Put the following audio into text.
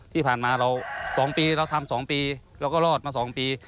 ที่ผ่านมาเรา๒ปีเราทำ๒ปีเราก็รอดมา๒ปี